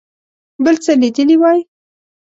بل څه لیدلي وای.